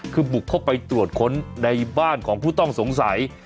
คือบุกเข้าไปตรวจค้นในบ้านของผู้ต้องสงสัย